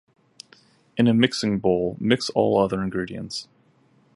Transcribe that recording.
In a mixing bowl mix all other ingredients